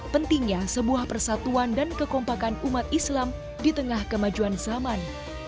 pentingnya sebuah persatuan dan kekompakan umat islam di tengah kemajuan zaman